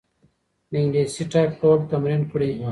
د انګلیسي ټایپ کول تمرین کړئ.